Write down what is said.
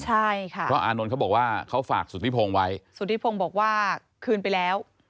ใช่ค่ะเพราะอานนท์เขาบอกว่าเขาฝากสุธิพงศ์ไว้สุธิพงศ์บอกว่าคืนไปแล้ว